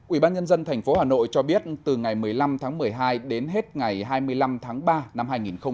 ủy ban nhân dân tp hà nội cho biết từ ngày một mươi năm tháng một mươi hai đến hết ngày hai mươi năm tháng ba năm hai nghìn hai mươi